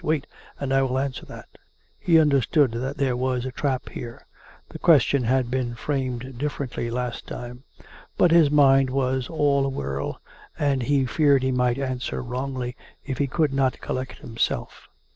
" Wait, and I will answer that." (He understood that there was a trap here. The question had been framed differently last time. But his mind was all a whirl ; and he feared he might answer wrongly if he could not collect himself.